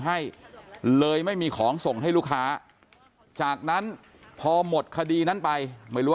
ให้เลยไม่มีของส่งให้ลูกค้าจากนั้นพอหมดคดีนั้นไปไม่รู้